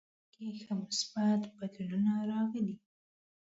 د ده په ریاست کې ښه مثبت بدلونونه راغلي.